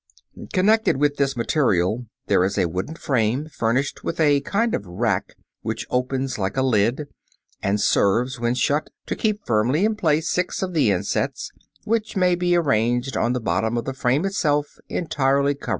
] Connected with this material there is a wooden frame furnished with a kind of rack which opens like a lid, and serves, when shut, to keep firmly in place six of the insets which may be arranged on the bottom of the frame itself, entirely covering it.